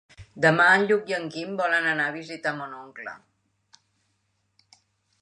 Demà en Lluc i en Guim volen anar a visitar mon oncle.